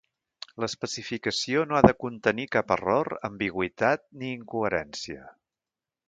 L'especificació no ha de contenir cap error, ambigüitat ni incoherència.